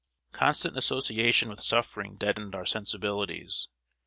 ] Constant association with suffering deadened our sensibilities.